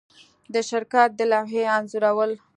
د شرکت د لوحې انځورول